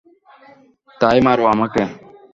তাই মারো আমাকে।